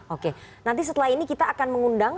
oke nanti setelah ini kita akan mengundang